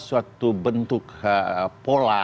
suatu bentuk pola